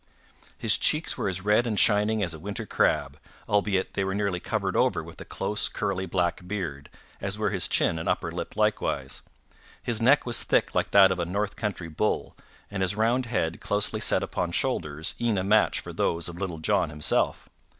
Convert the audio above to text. His cheeks were as red and shining as a winter crab, albeit they were nearly covered over with a close curly black beard, as were his chin and upper lip likewise. His neck was thick like that of a north country bull, and his round head closely set upon shoulders e'en a match for those of Little John himself.